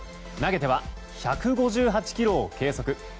投げては１５８キロを計測。